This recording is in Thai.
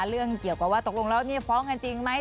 เรื่องเกี่ยวกับว่าตกลงแล้วนี่ฟ้องกันจริงไหม